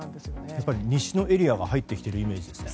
やっぱり西のエリアが入ってきてるイメージですね。